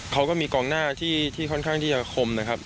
เขาก็มีกองหน้าที่ค่อนข้างที่จะคมนะครับ